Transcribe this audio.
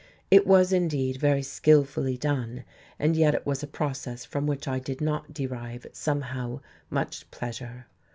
It was, indeed, very skillfully done, and yet it was a process from which I did not derive, somehow, much pleasure.